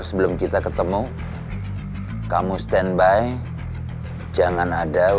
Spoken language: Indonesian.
sama orangnya gak ada